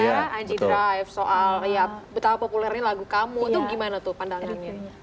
anji drive soal ya betapa populernya lagu kamu itu gimana tuh pandangannya